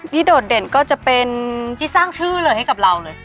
โดดเด่นก็จะเป็นที่สร้างชื่อเลยให้กับเราเลย